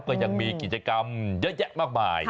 ก็ยังมีกิจกรรมเยอะแยะมากมาย